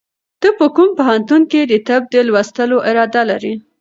ته په کوم پوهنتون کې د طب د لوستلو اراده لرې؟